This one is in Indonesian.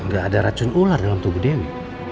gak ada racun ular dalam tubuh denny